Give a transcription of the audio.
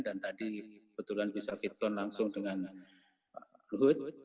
dan tadi kebetulan bisa fitur langsung dengan luhut